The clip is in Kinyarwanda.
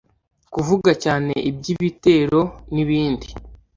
kuvuga cyane iby’ibitero n’ibindi”